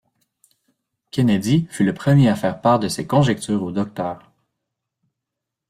Kennedy fut le premier à faire part de ses conjectures au docteur.